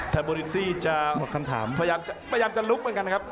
เทอร์โบริซี่จะพยายามจะลุกเหมือนกันนะครับ